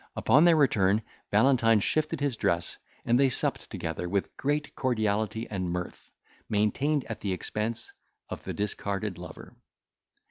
Upon their return Valentine shifted his dress, and they supped together with great cordiality and mirth, maintained at the expense of the discarded lover.